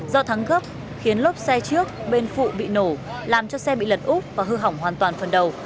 do thắng cướp khiến lốp xe trước bên phụ bị nổ làm cho xe bị lật úp và hư hỏng hoàn toàn phần đầu